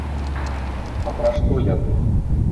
А пра што яны?